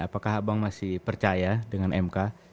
apakah abang masih percaya dengan mk